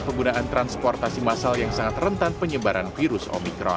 penggunaan transportasi massal yang sangat rentan penyebaran virus omicron